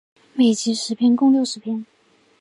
每集十篇共六十篇。